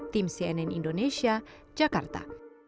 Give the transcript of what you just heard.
tim cnn indonesia jakarta